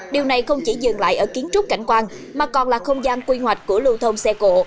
điều này không chỉ dừng lại ở kiến trúc cảnh quan mà còn là không gian quy hoạch của lưu thông xe cộ